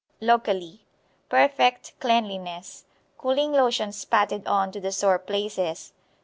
Locally Perfect cleanliness. Cooling lotions patted on to the sore places.